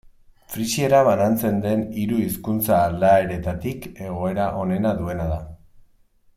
Frisiera banantzen den hiru hizkuntza-aldaeretatik egoera onena duena da.